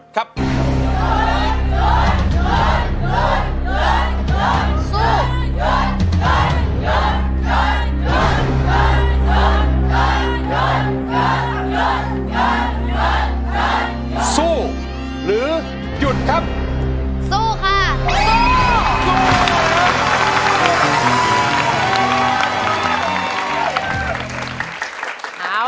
กลับไปก่อนที่สุดท้าย